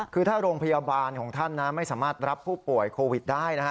คือถ้าโรงพยาบาลของท่านไม่สามารถรับผู้ป่วยโควิดได้นะฮะ